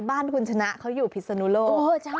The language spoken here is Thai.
บ้านคุณชนะเขาอยู่พิศนุโลก